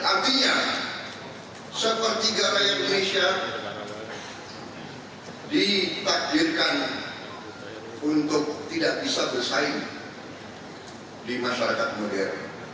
artinya sepertiga rakyat indonesia ditakdirkan untuk tidak bisa bersaing di masyarakat modern